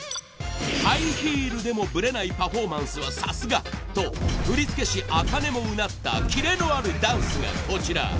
ハイヒールでもブレないパフォーマンスはさすがと振付師ａｋａｎｅもうなったキレのあるダンスがこちら。